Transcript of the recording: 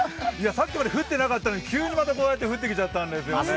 さっきまで降ってなかったのに、急にこうやって降ってきちゃったんですよね。